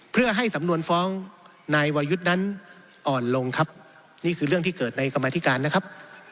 เพื่อให้สำนวนฟ้องนายวรยุทธ์นั้นอ่อนลงครับนี่คือเรื่องที่เกิดในกรรมธิการนะครับ